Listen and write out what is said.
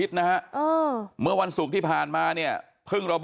สวยชีวิตทั้งคู่ก็ออกมาไม่ได้อีกเลยครับ